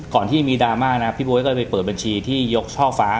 ที่มีดราม่านะพี่บ๊วยก็เลยไปเปิดบัญชีที่ยกช่อฟ้า